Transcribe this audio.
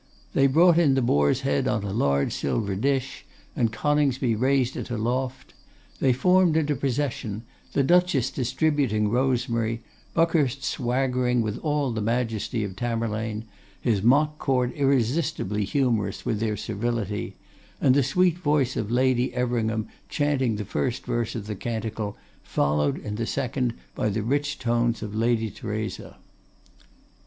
They brought in the Boar's head on a large silver dish, and Coningsby raised it aloft. They formed into procession, the Duchess distributing rosemary; Buckhurst swaggering with all the majesty of Tamerlane, his mock court irresistibly humorous with their servility; and the sweet voice of Lady Everingham chanting the first verse of the canticle, followed in the second by the rich tones of Lady Theresa: I.